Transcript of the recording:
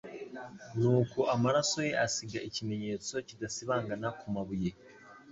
Nuko amaraso ye asiga ikimenyetso kidasibangana ku mabuye